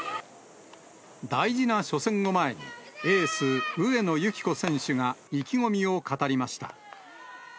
大事な初戦を前に、エース、上野由岐子選手が意気込みを語りました。